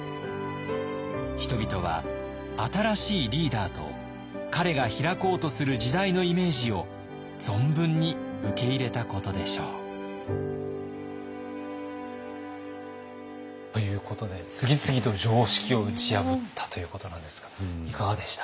人々は新しいリーダーと彼が開こうとする時代のイメージを存分に受け入れたことでしょう。ということで次々と常識を打ち破ったということなんですがいかがでした？